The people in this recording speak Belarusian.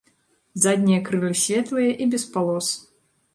Заднія крылы светлыя і без палос.